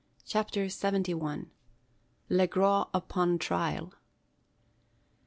CHAPTER SEVENTY ONE. LE GROS UPON TRIAL.